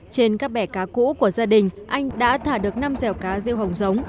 trên các bẻ cá cũ của gia đình anh đã thả được năm dẻo cá riêu hồng giống